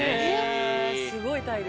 すごい体力。